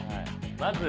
まず。